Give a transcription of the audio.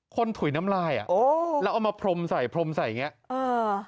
ถุยน้ำลายอ่ะโอ้แล้วเอามาพรมใส่พรมใส่อย่างเงี้เออ